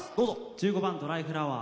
１５番「ドライフラワー」。